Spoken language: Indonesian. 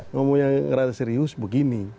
ngomong yang rada serius begini